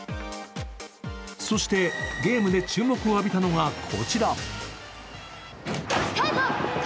そしてゲームで注目を浴びたのがこちら。